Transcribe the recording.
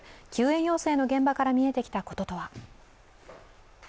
救援要請の現場から見えてきたこととは。